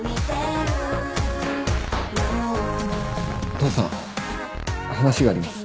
父さん話があります。